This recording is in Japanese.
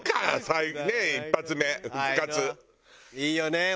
いいよね。